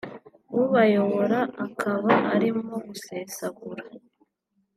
ubayobora akaba arimo gusesagura